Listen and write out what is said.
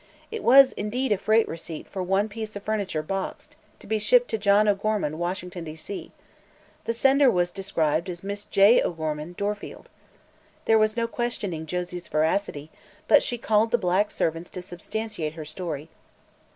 It was, indeed, a freight receipt for "one piece of furniture, boxed," to be shipped to John O'Gorman, Washington, D. C, The sender was described as "Miss J. O'Gorman, Dorfield." There was no questioning Josie's veracity, but she called the black servant to substantiate her story.